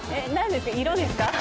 何ですか色ですか？